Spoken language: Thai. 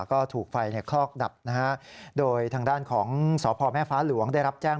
ก็ถูกไฟคลอกดับนะฮะโดยทางด้านของสพแม่ฟ้าหลวงได้รับแจ้ง